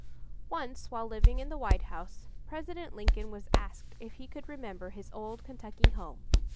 Once while living in the White House, President Lincoln was asked if he could remember his "old Kentucky home."